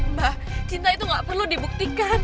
mbak cinta itu nggak perlu dibuktikan